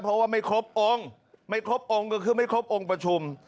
เพราะว่าไม่ครบองค์ไม่ครบองค์ก็คือไม่ครบองค์ประชุม